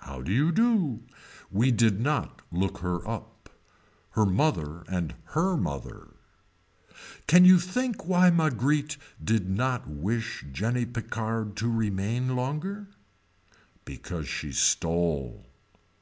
How do you do. We did not look her up. Her mother and her mother. Can you think why Marguerite did not wish Jenny Picard to remain longer. Because she stole.